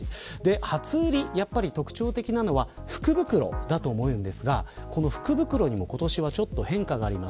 初売り、特徴的なのは福袋だと思いますが福袋にも今年はちょっと変化があります。